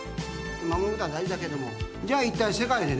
守るのは大事だけれどもじゃあ一体世界でね